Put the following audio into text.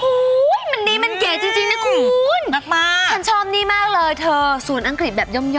มันนี่มันเก๋จริงนะคุณมากฉันชอบนี่มากเลยเธอศูนย์อังกฤษแบบย่อม